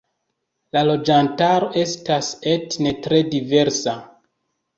La loĝantaro estas etne tre diversa.